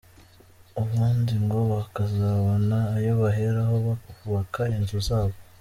Ubundi ngo bakazabona ayo baheraho bubaka inzu zabo.